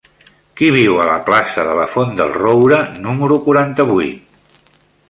Qui viu a la plaça de la Font del Roure número quaranta-vuit?